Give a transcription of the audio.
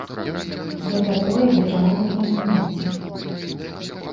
Гэта тое, да чаго мы імкнёмся.